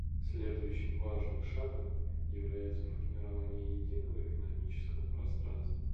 Следующим важным шагом является формирование единого экономического пространства.